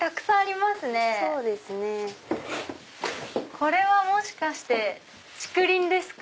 これはもしかして竹林ですか？